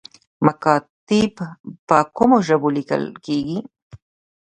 مکاتیب په کومو ژبو لیکل کیږي؟